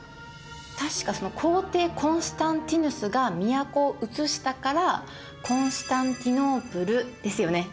確かその皇帝コンスタンティヌスが都を移したからコンスタンティノープルですよね。